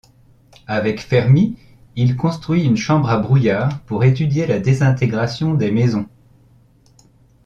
Avec Fermi, il construit une chambre à brouillard pour étudier la désintégration des mésons.